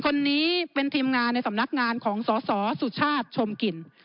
คนนี้เป็นทีมงานในสำนักงานของสสสุชาติชมกลิ่น